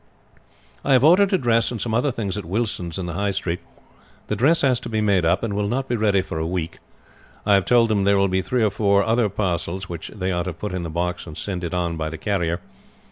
"I have ordered a dress and some other things at Wilson's in the High Street. The dress has to be made up, and will not be ready for a week. I have told them there will be three or four other parcels, which they are to put in the box and send it on by the carrier.